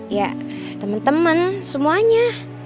ya temen temen semuanya